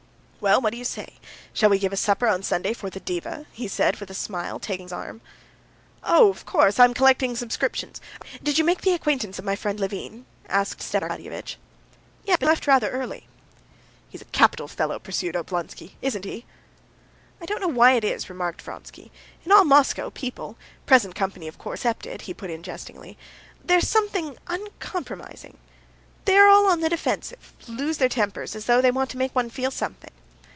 "Well, what do you say? Shall we give a supper on Sunday for the diva?" he said to him with a smile, taking his arm. "Of course. I'm collecting subscriptions. Oh, did you make the acquaintance of my friend Levin?" asked Stepan Arkadyevitch. "Yes; but he left rather early." "He's a capital fellow," pursued Oblonsky. "Isn't he?" "I don't know why it is," responded Vronsky, "in all Moscow people—present company of course excepted," he put in jestingly, "there's something uncompromising. They are all on the defensive, lose their tempers, as though they all want to make one feel something...."